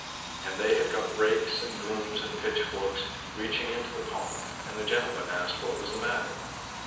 And they had got rakes, and brooms, and pitchforks, reaching into the pond; and the gentleman asked what was the matter.